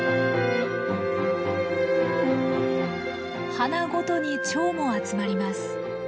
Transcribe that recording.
花ごとにチョウも集まります。